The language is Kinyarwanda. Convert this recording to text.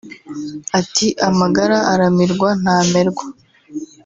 Ati “Amagara aramirwa ntamerwa